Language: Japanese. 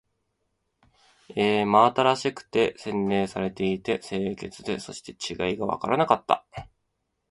真新しくて、洗練されていて、清潔で、そして違いがわからなかった